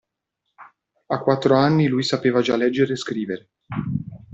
A quattro anni lui sapeva già leggere e scrivere.